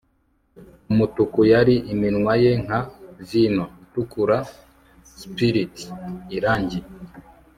Umutuku yari iminwa ye nka vino itukuraspilith irangi